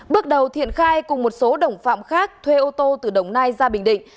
bước đầu thiện khai cùng một số đồng phạm khác thuê ô tô từ đồng nai ra bình định